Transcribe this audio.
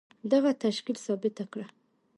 دغه تشکيل ثابته کړه.